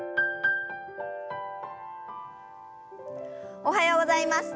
おはようございます。